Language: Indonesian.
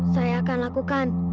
saya akan lakukan